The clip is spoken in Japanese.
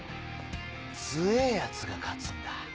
強えぇヤツが勝つんだ。